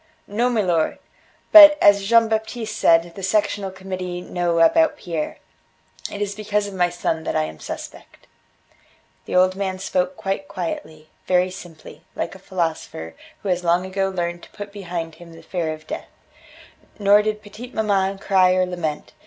"No, milor. But, as Jean Baptiste said, the Sectional Committee know about Pierre. It is because of my son that I am suspect." The old man spoke quite quietly, very simply, like a philosopher who has long ago learned to put behind him the fear of death. Nor did petite maman cry or lament.